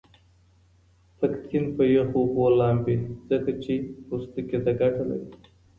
پکتین په یخو اوبو لامبې ځکه چې پوستکې ته ګټه لری.